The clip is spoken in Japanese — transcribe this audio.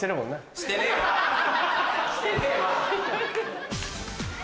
してねえわ！